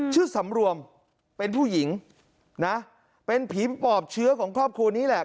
สำรวมเป็นผู้หญิงนะเป็นผีปอบเชื้อของครอบครัวนี้แหละ